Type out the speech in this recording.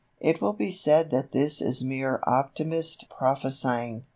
It will be said that this is mere optimist prophesying.